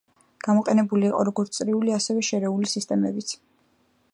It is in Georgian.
გამოყენებული იყო როგორც წრიული, ასევე შერეული სისტემებიც.